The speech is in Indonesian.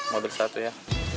mobil satu ya